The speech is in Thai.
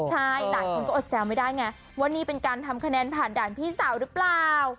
ใช่หลายคนก็อดแซวไม่ได้ไงว่านี่เป็นการทำคะแนนผ่านด่านพี่สาวหรือเปล่า